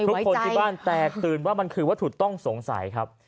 ทุกคนที่บ้านแตกตื่นว่ามันคือวัตถุต้องสงสัยครับ